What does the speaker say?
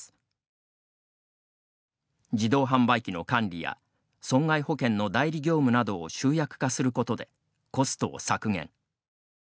自動販売機の管理や損害保険の代理業務などを集約化することでコストを削減。